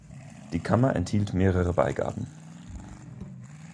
Die Kammer enthielt mehrere Beigaben.